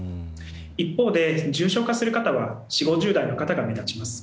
一方で重症化する方は４０５０代の方が目立ちます。